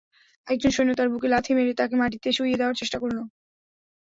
একজন সৈন্য তার বুকে লাথি মেরে তাকে মাটিতে শুইয়ে দেওয়ার চেষ্টা করল।